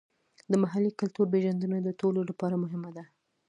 د محلي کلتور پیژندنه د ټولو لپاره مهمه ده.